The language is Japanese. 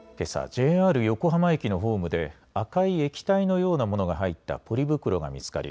ＪＲ横浜駅のホームで赤い液体のようなものが入ったポリ袋が見つかり